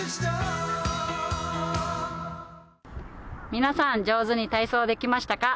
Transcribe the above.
皆さん、上手に体操できましたか？